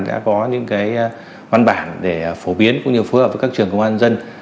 đã có những cái văn bản để phổ biến cũng như phối hợp với các trường công an nhân